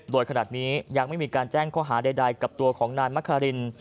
โดยขนาดนี้ยังไม่มีการแจ้งข้อหาใดกับตัวของนายมะคาริน